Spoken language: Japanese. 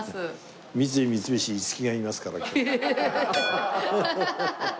三井三菱五木がいますから。